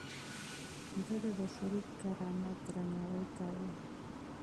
ده د بشري کرامت درناوی کاوه.